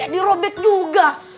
yang dirobek juga